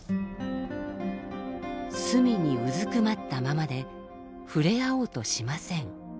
隅にうずくまったままで触れ合おうとしません。